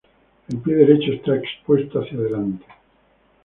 El pie derecho está expuesto hacia adelante.